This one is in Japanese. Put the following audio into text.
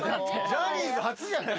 ジャニーズ初じゃない？